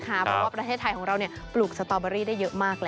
เพราะว่าประเทศไทยของเราปลูกสตอเบอรี่ได้เยอะมากแล้ว